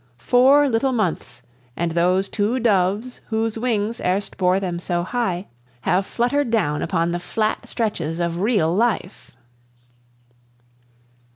Four little months, and those two doves, whose wings erst bore them so high, have fluttered down upon the flat stretches of real life!